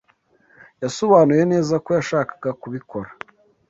Yasobanuye neza ko yashakaga kubikora